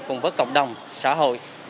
cùng với cộng đồng xã hội